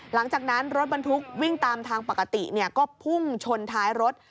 หลังจากนั้นรถบรรทุกวิ่งตามทางปกติก็พุ่งชนท้ายรถ